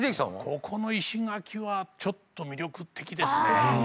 ここの石垣はちょっと魅力的ですね。